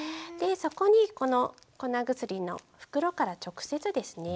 そこにこの粉薬の袋から直接ですね